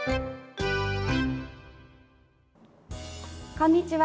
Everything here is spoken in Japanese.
こんにちは。